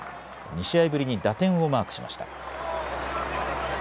２試合ぶりに打点をマークしました。